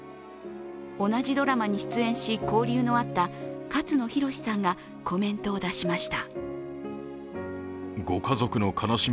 同じドラマに出演し交流のあった勝野洋さんがコメントを出しました。